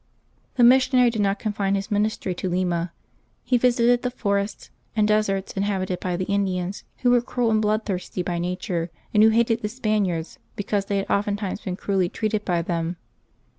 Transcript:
The missionary did not confine his ministry to Lima. He visited the forests and deserts inhabited by the Indians, who were cruel and bloodthirsty by nature, and who hated the Spaniards because they had oftentimes been cruelly treated by them.